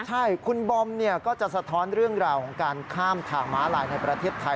ใช่คุณบอมก็จะสะท้อนเรื่องราวของการข้ามทางม้าลายในประเทศไทย